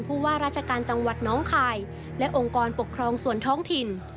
ผู้ว่าราชการจังหวัดน้องคายและองค์กรปกครองส่วนท้องถิ่น